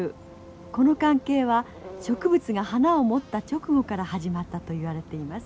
この関係は植物が花を持った直後から始まったといわれています。